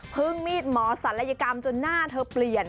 พึ้งมีดหมอสรรไลยกรรมจนหน้าเธอเปลี่ยน